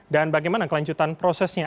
dan bagaimana kelanjutan prosesnya